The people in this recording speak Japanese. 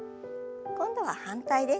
今度は反対です。